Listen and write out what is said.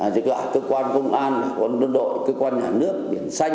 chỉ có cơ quan công an cơ quan đơn đội cơ quan nhà nước biển xanh